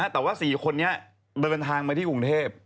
แต่ว่า๔คนนี้เดินทางมาที่กรุงเทพ